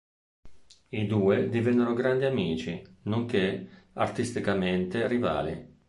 I due divennero grandi amici, nonché artisticamente rivali.